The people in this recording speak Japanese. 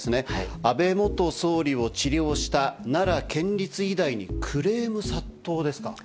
安倍元総理を治療した奈良県立医大にクレーム殺到ですか。